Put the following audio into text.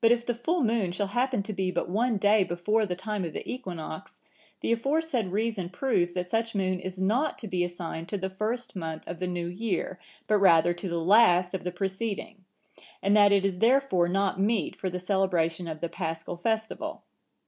But if the full moon shall happen to be but one day before the time of the equinox, the aforesaid reason proves that such moon is not to be assigned to the first month of the new year, but rather to the last of the preceding, and that it is therefore not meet for the celebration of the Paschal festival.